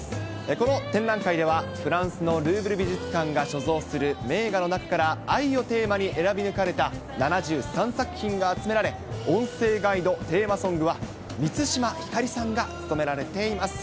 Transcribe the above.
この展覧会では、フランスのルーヴル美術館が所蔵する名画の中から、愛をテーマに選び抜かれた７３作品が集められ、音声ガイド、テーマソングは、満島ひかりさんが務められています。